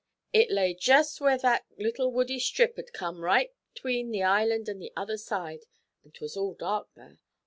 It lay jest where that little woody strip 'ud come right 'tween the island and the other side, an' 'twas all dark there.